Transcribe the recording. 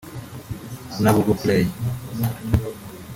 na google Play